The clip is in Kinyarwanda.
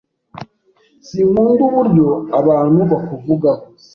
Sinkunda uburyo abantu bakuvugaho.